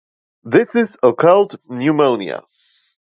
This is occult pneumonia.